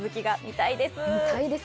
見たいです。